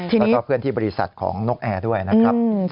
แล้วก็เพื่อนที่บริษัทของนกแอร์ด้วยนะครับ